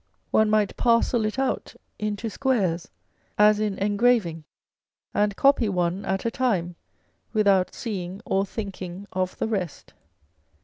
One might parcel it out into squares, as in engraving, and copy one at a time, without seeing or thinking of the rest.